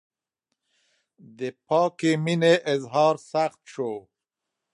د پاکې مینې اظهار سخت شو.